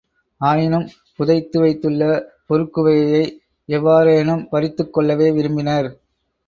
ஆயினும் புதைத்து வைத்துள்ள பொருட்குவையை எவ்வாறேனும் பறித்துக் கொள்ளவே விரும்பினர்.